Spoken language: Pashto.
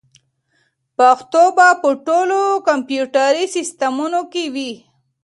پښتو به په ټولو کمپیوټري سیسټمونو کې وي.